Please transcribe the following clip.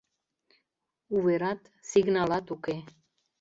Уверат, сигналат уке.